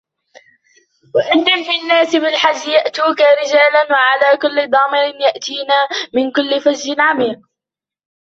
وأذن في الناس بالحج يأتوك رجالا وعلى كل ضامر يأتين من كل فج عميق